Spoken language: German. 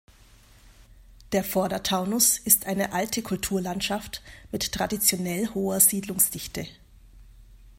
Der Vordertaunus ist eine alte Kulturlandschaft mit traditionell hoher Siedlungsdichte.